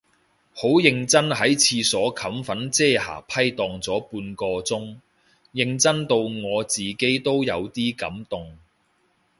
好認真喺廁所冚粉遮瑕批蕩咗半個鐘，認真到我自己都有啲感動